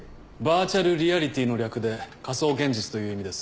バーチャルリアリティーの略で仮想現実という意味です。